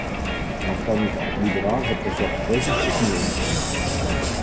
Daar kan ik als liberaal het vanzelfsprekend ook mee eens zijn.